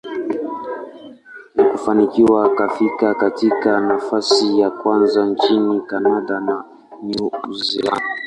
na kufanikiwa kufika katika nafasi ya kwanza nchini Canada na New Zealand.